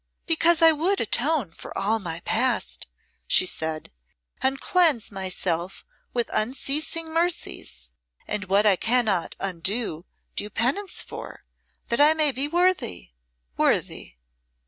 "Because I would atone for all my past," she said, "and cleanse myself with unceasing mercies, and what I cannot undo, do penance for that I may be worthy worthy."